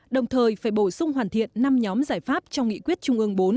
đồng thời phải bổ sung hoàn thiện năm nhóm giải pháp trong nghị quyết trung ương bốn